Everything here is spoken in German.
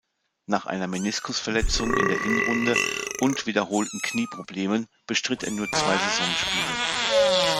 Nach einer Meniskusverletzung in der Hinrunde und wiederholten Knieproblemen bestritt er nur zwei Saisonspiele.